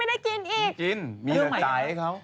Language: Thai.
ไม่ได้กินมีอยู่ในใจเขา